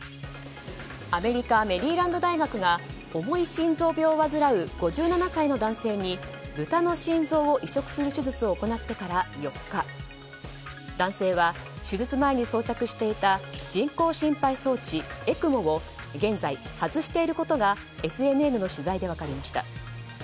アメリカ・メリーランド大学が重い心臓病を患う５７歳の男性に豚の心臓を移植する手術を行ってから４日男性は手術前に装着していた人工心肺装置・ＥＣＭＯを現在外していることがＦＮＮの取材で分かりました。